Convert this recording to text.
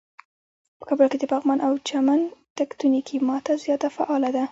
په کابل کې د پغمان او چمن تکتونیکی ماته زیاته فعاله ده.